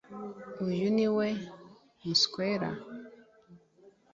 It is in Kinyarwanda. uyu niwe muswera.